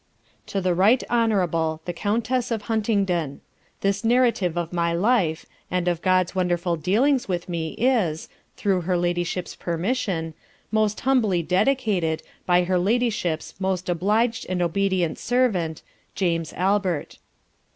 1772 TO THE RIGHT HONOURABLE The Countess of Huntingdon; THIS NARRATIVE Of my LIFE, And of God's wonderful Dealings with me, is, (Through Her LADYSHIP'S Permission) Most Humbly Dedicated, By her LADYSHIP'S Most obliged And obedient Servant, JAMES ALBERT.